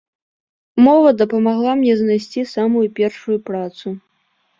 Мова дапамагла мне знайсці самую першую працу.